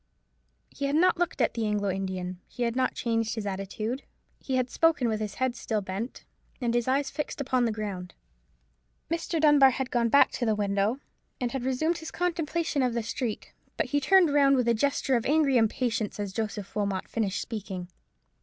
He had not looked at the Anglo Indian; he had not changed his attitude; he had spoken with his head still bent, and his eyes fixed upon the ground. Mr. Dunbar had gone back to the window, and had resumed his contemplation of the street; but he turned round with a gesture of angry impatience as Joseph Wilmot finished speaking.